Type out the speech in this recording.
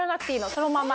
そのまま。